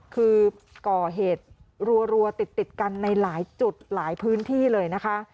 คือก่อเหตุรัวติดกันในหลายจุดหลายพื้นที่เลยนะคะ